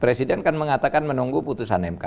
presiden kan mengatakan menunggu putusan mk